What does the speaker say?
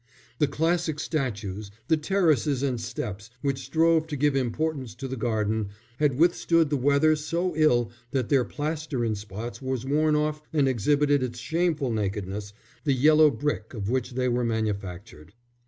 The classic statues, the terraces and steps, which strove to give importance to the garden, had withstood the weather so ill that their plaster in spots was worn off and exhibited in shameful nakedness the yellow brick of which they were manufactured.